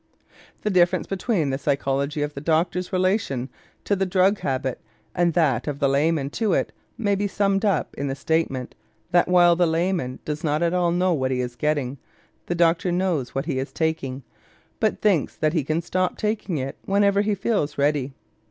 The difference between the psychology of the doctor's relation to the drug habit and that of the layman to it may be summed up in the statement that while the layman does not at all know what he is getting, the doctor knows what he is taking, but thinks that he can stop taking it whenever he feels ready.